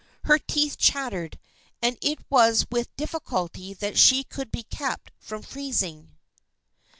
Her teeth chattered, and it was with difficulty that she could be kept from freezing.